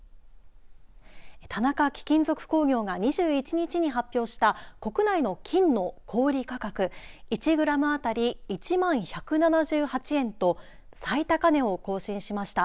田中貴金属工業が２１日に発表した国内の金の小売り価格１グラム当たり１万１７８円と最高値を更新しました。